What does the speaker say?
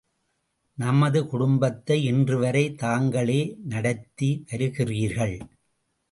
நமது குடும்பத்தை இன்றுவரை தாங்களே நடத்தி வருகிறீர்கள்.